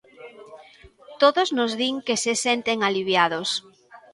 Todos nos din que se senten aliviados.